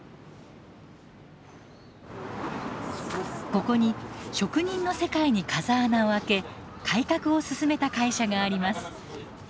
ここに職人の世界に風穴を開け改革を進めた会社があります。